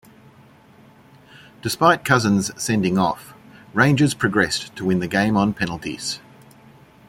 Despite Cousin's sending off, Rangers progressed to win the game on penalties.